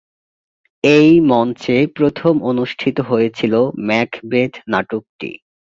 এই মঞ্চে প্রথম অনুষ্ঠিত হয়েছিল "ম্যাকবেথ" নাটকটি।